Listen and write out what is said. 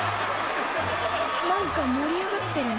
なんか盛り上がってるね。